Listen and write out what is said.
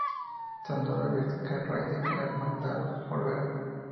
Sandor advierte a Ray de que la Hermandad volverá.